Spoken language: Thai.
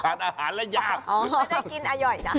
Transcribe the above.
อ๋อไม่ได้กินอ่ะย่อยนะ